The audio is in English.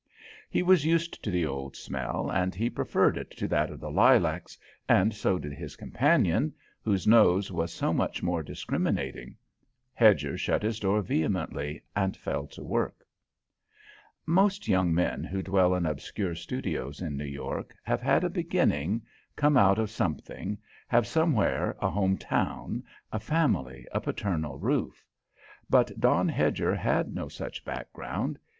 He was used to the old smell, and he preferred it to that of the lilacs, and so did his companion, whose nose was so much more discriminating. Hedger shut his door vehemently, and fell to work. Most young men who dwell in obscure studios in New York have had a beginning, come out of something, have somewhere a home town, a family, a paternal roof. But Don Hedger had no such background.